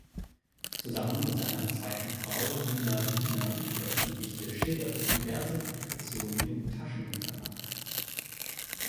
Zusammen mit seiner zweiten Frau Nina Wiener veröffentlichte Schiller diverse Publikationen im Taschen-Verlag.